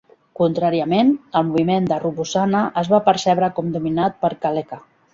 Contràriament, el moviment de Rubusana es va percebre com dominat per Gcaleka.